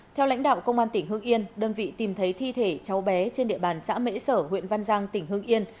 theo lãnh đạo công an tỉnh hưng yên đơn vị tìm thấy thi thể cháu bé trên địa bàn xã mễ sở huyện văn giang tỉnh hưng yên